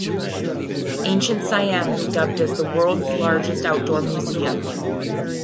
Ancient Siam is dubbed as the world's largest outdoor museum.